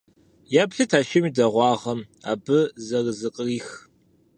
Еплъыт а шым и дэгъуагъым! Абы зэрызыкърих!